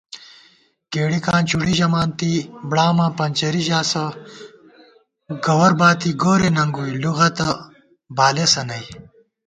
کېڑِکاں چُوڑی ژَمانتی، بڑاماں پنچَرِی ژاسہ * گوَر باتی گورے ننگُوئی لُغَتہ بالېسہ نئ